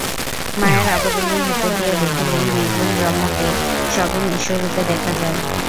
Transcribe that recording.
মায়ার আবরণের ভিতর দিয়া দেখিলে নির্গুণ ব্রহ্মকেই সগুণ ঈশ্বররূপে দেখা যায়।